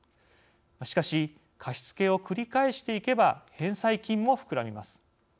しかし、貸付を繰り返していけば返済金も膨らみます。